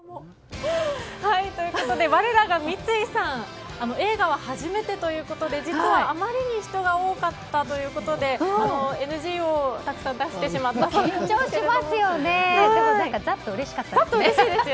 ということで我らが三井さん映画は初めてということで実はあまりに人が多かったということでＮＧをたくさん出してしまったそうです。